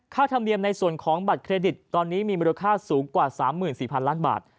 ธรรมเนียมในส่วนของบัตรเครดิตตอนนี้มีมูลค่าสูงกว่า๓๔๐๐ล้านบาท